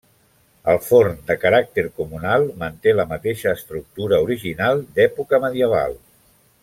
El forn, de caràcter comunal manté la mateixa estructura original d'època medieval.